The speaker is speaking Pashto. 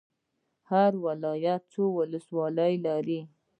هر ولایت څو ولسوالۍ لري؟